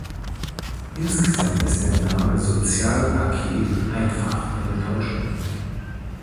Insgesamt ist der Name "Sozialpaket" einfach eine Täuschung.